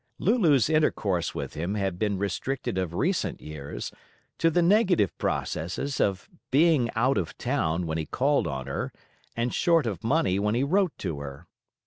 Lulu's intercourse with him had been restricted of recent years to the negative processes of being out of town when he called on her, and short of money when he wrote to her.